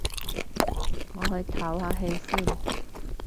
我去唞下氣先